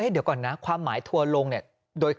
เดี๋ยวก่อนนะความหมายทัวร์ลงเนี่ย